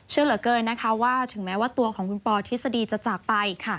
เชื่อเหลือเกินนะคะว่าถึงแม้ว่าตัวของคุณปอทฤษฎีจะจากไป